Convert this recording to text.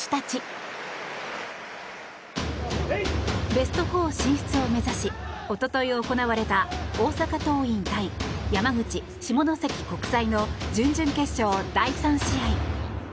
ベスト４進出を目指し一昨日、行われた大阪桐蔭対山口・下関国際の準々決勝第３試合。